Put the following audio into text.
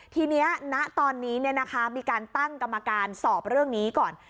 ทีนี้ณตอนนี้มีการตั้งกรรมการสอบเรื่องนี้ก่อน